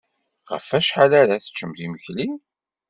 Ɣef wacḥal ara teččemt imekli?